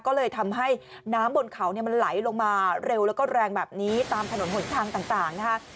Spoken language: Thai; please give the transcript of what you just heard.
ก็เลยทำให้น้ำบนเขามันไหลลงมาเร็วแล้วก็แรงแบบนี้ตามถนนหนทางต่างนะคะ